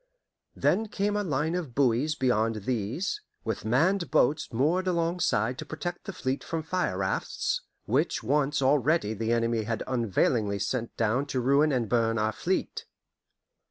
Then came a line of buoys beyond these, with manned boats moored alongside to protect the fleet from fire rafts, which once already the enemy had unavailingly sent down to ruin and burn our fleet.